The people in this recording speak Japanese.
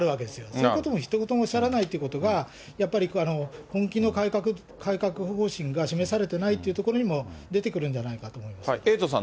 そういうこともひと言もおっしゃらないということが、やっぱり本気の改革、改革方針が示されていないというところにも、出てくるんじゃないかと思います。